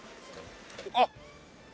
あっ！